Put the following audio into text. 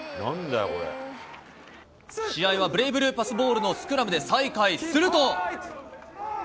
試合はブレイブルーパスボールのスクラムで再開、すると。